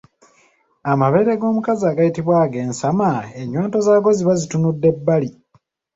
Amabeere g’omukazi agayitibwa ag’ensama ennywanto zaago ziba zitunudde bbali.